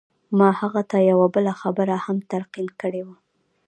ما هغه ته يوه بله خبره هم تلقين کړې وه.